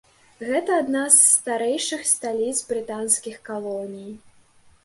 Гэта адна з старэйшых сталіц брытанскіх калоній.